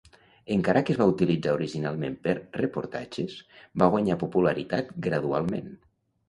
Encara que es va utilitzar originalment per reportatges, va guanyar popularitat gradualment.